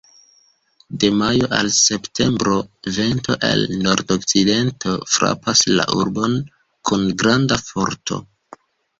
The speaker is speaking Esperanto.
De majo al septembro, vento el nordokcidento frapas la urbon kun granda forto.